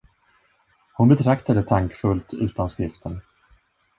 Hon betraktade tankfullt utanskriften.